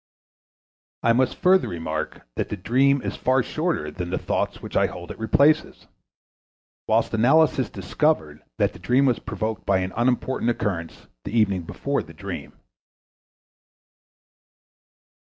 I must further remark that the dream is far shorter than the thoughts which I hold it replaces; whilst analysis discovered that the dream was provoked by an unimportant occurrence the evening before the dream.